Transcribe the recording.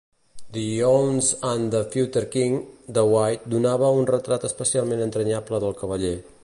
"The Once and Future King" de White donava un retrat especialment entranyable del cavaller.